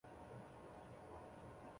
加瑙山。